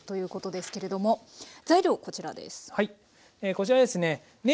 こちらですね。